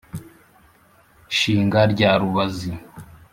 shinga rya rubazi,